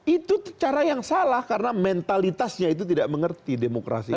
itu cara yang salah karena mentalitasnya itu tidak mengerti demokrasi